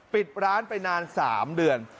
ปิดร้านไปนาน๓เดือน